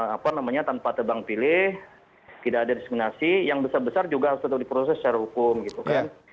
apa namanya tanpa tebang pilih tidak ada diskriminasi yang besar besar juga harus tetap diproses secara hukum gitu kan